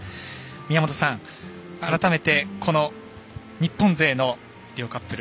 宮本さん、改めてこの日本勢の両カップル